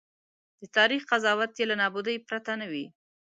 د تاریخ قضاوت یې له نابودۍ پرته نه وي.